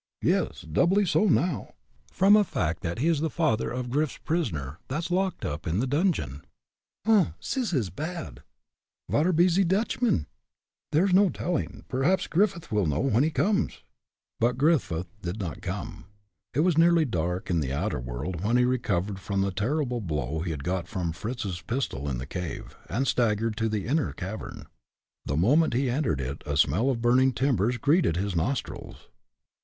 "Yes. Doubly so now, from a fact that he is the father of Grif's prisoner, that's locked up in the dungeon." "Humph! zis is bad! Vare be ze Dutchman?" "There is no telling. Perhaps Griffith will know when he comes." But Griffith did not come. It was nearly dark in the outer world when he recovered from the terrible blow he had got from Fritz's pistol in the cave, and staggered to the inner cavern. The moment he entered it a smell of burning timbers greeted his nostrils.